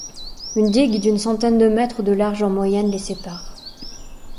Une digue d'une centaine de mètres de large en moyenne les sépare.